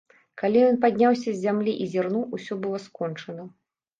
Калі ён падняўся з зямлі і зірнуў, усё было скончана.